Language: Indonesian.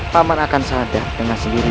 paman akan sadar dengan sendiri